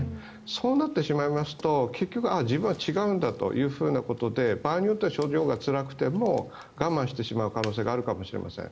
そうなってしまいますと結局自分は違うんだということで場合によっては症状がつらくても我慢してしまう可能性があるかもしれません。